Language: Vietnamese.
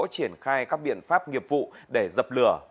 triển khai các biện pháp nghiệp vụ để dập lửa